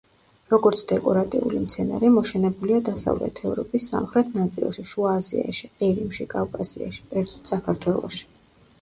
როგორც დეკორატიული მცენარე მოშენებულია დასავლეთ ევროპის სამხრეთ ნაწილში, შუა აზიაში, ყირიმში, კავკასიაში, კერძოდ, საქართველოში.